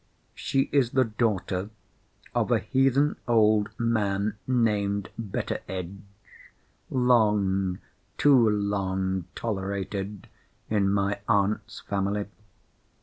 She is the daughter of a heathen old man named Betteredge—long, too long, tolerated in my aunt's family.